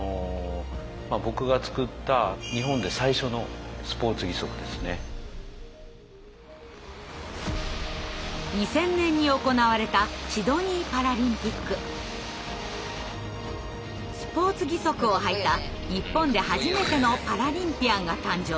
僕が作った２０００年に行われたスポーツ義足を履いた日本で初めてのパラリンピアンが誕生します。